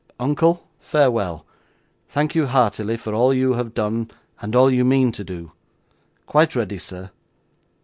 Uncle, farewell! Thank you heartily for all you have done and all you mean to do. Quite ready, sir!